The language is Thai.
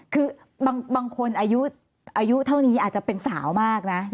คือบางคนอายุเท่านี้อาจจะเป็นสาวมากนะ